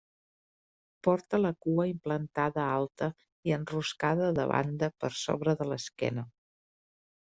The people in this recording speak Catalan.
Porta la cua implantada alta i enroscada de banda per sobre de l'esquena.